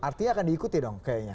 artinya akan diikuti dong kayaknya